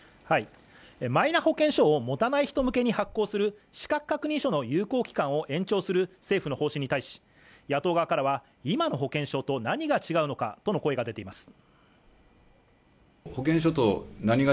マイナ保険証を持たない人向けに発行する資格確認書の有効期間を延長する政府の方針に対し野党側からは今の保険証と何が違うのかとの声が出ています